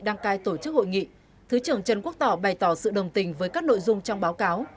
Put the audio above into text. đăng cai tổ chức hội nghị thứ trưởng trần quốc tỏ bày tỏ sự đồng tình với các nội dung trong báo cáo